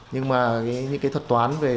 nhưng mà những cái thuật toán về